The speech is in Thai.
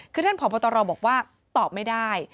คือท่านผอบตรบอกว่าตอบไม่ได้